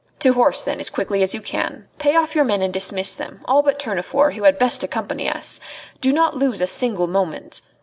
"To horse, then, as quickly as you can. Pay off your men and dismiss them all but Tournefort, who had best accompany us. Do not lose a single moment.